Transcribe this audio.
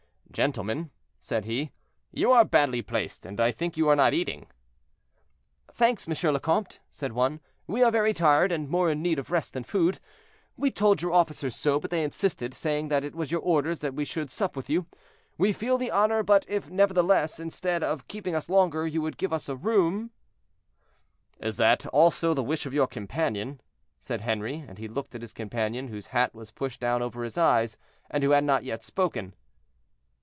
"Gentlemen," said he, "you are badly placed, and I think you are not eating." "Thanks, M. le Comte," said one, "we are very tired, and more in need of rest than food; we told your officers so, but they insisted, saying that it was your orders that we should sup with you. We feel the honor, but if, nevertheless, instead of keeping us longer you would give us a room—" "Is that also the wish of your companion?" said Henri, and he looked at this companion, whose hat was pushed down over his eyes, and who had not yet spoken.